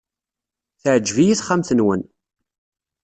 Teɛjeb-iyi texxamt-nwen.